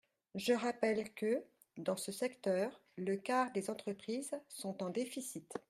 Je rappelle que, dans ce secteur, le quart des entreprises sont en déficit.